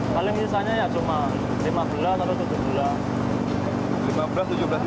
kalo misalnya cuma lima belas atau tujuh belas bulan